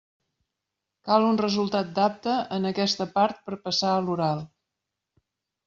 Cal un resultat d'apte en aquesta part per passar a l'oral.